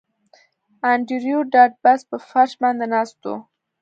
انډریو ډاټ باس په فرش باندې ناست و